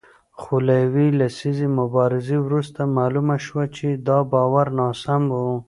خو له یوې لسیزې مبارزې وروسته معلومه شوه چې دا باور ناسم و